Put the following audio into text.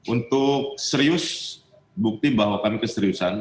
untuk serius bukti bahwa kami keseriusan